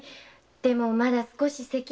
でもまだ少し咳が。